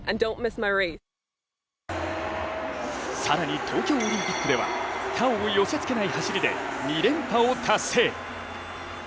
更に東京オリンピックでは他を寄せつけない走りで２連覇を達成。